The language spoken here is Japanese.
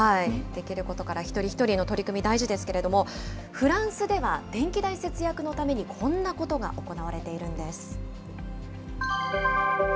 できることから一人一人の取り組み大事ですけれども、フランスでは電気代節約のために、こんなことが行われているんです。